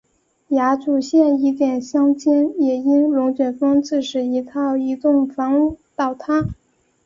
亚祖县伊甸乡间也因龙卷风致使一套移动房屋倒塌。